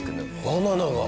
バナナが。